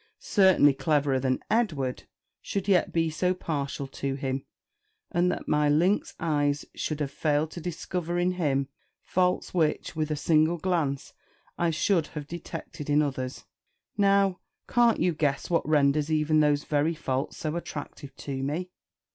certainly cleverer than Edward, should yet be so partial to him, and that my lynx eyes should have failed to discover in him faults which, with a single glance, I should have detected in others. Now, can't you guess what renders even these very faults so attractive to me?"